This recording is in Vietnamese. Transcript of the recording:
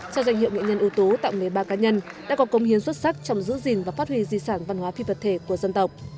cho danh hiệu nghệ nhân ưu tố tặng một mươi ba cá nhân đã có công hiến xuất sắc trong giữ gìn và phát huy di sản văn hóa phi vật thể của dân tộc